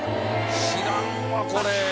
知らんわこれ。